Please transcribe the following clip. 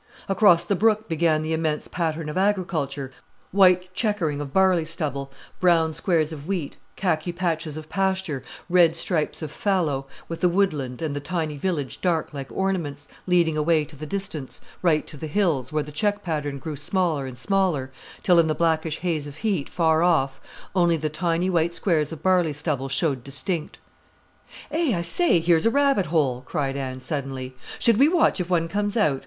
Across the brook began the immense pattern of agriculture, white chequering of barley stubble, brown squares of wheat, khaki patches of pasture, red stripes of fallow, with the woodland and the tiny village dark like ornaments, leading away to the distance, right to the hills, where the check pattern grew smaller and smaller, till, in the blackish haze of heat, far off, only the tiny white squares of barley stubble showed distinct. "Eh, I say, here's a rabbit hole!" cried Anne suddenly. "Should we watch if one comes out?